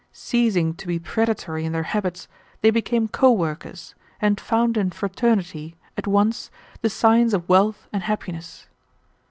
Ceasing to be predatory in their habits, they became co workers, and found in fraternity, at once, the science of wealth and happiness.